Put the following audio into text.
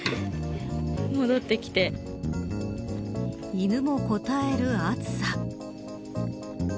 犬もこたえる暑さ。